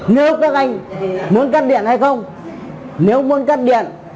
nếu các anh muốn cắt điện hay không nếu muốn cắt điện